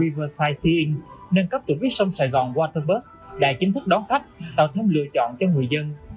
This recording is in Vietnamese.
sài gòn riverside sea inn nâng cấp tuyến buýt sông sài gòn water bus đã chính thức đón khách tạo thêm lựa chọn cho người dân